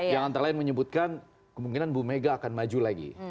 yang antara lain menyebutkan kemungkinan bu mega akan maju lagi